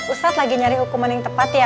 ustadz lagi nyari hukuman yang tepat ya